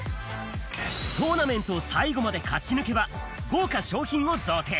トーナメントを最後まで勝ち抜けば、豪華賞品を贈呈。